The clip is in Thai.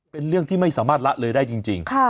เป็นเรื่องที่ไม่สามารถละเลยได้จริง